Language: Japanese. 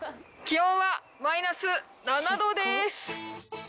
気温はマイナス７℃です。